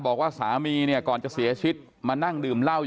พอวัวไปกินหญ้าอะไรเสร็จเรียบร้อยเสร็จเรียบร้อยเสร็จเรียบร้อย